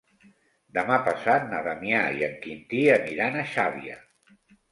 Demà passat na Damià i en Quintí aniran a Xàbia.